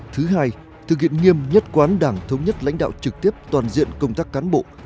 thứ hai thực hiện nghiêm nhất quán đảng thống nhất lãnh đạo trực tiếp toàn diện công tác cán bộ